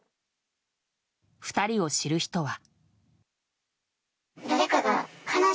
２人を知る人は。